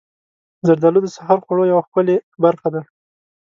زردالو د سحر خوړو یوه ښکلې برخه ده.